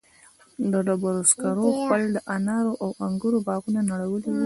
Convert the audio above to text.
ډېرو کسانو خپل د انارو او انگورو باغونه نړولي وو.